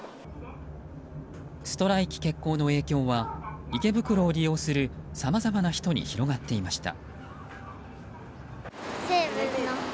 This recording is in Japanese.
ストライキ決行の影響は池袋を利用するさまざまな人に広がっていました。